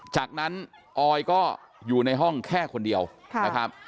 จากนั้นออยก็อยู่ในห้องแค่คนเดียวนะครับ